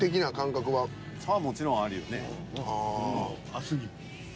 明日にも？